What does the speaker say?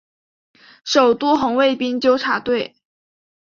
首都红卫兵纠察队。